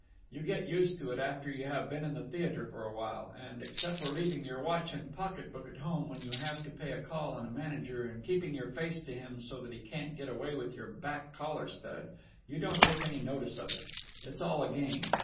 You get used to it after you have been in the theatre for a while, and, except for leaving your watch and pocket book at home when you have to pay a call on a manager and keeping your face to him so that he can't get away with your back collar stud, you don't take any notice of it. It's all a game.